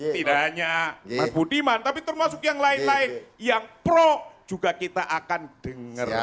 tidak hanya mas budiman tapi termasuk yang lain lain yang pro juga kita akan dengar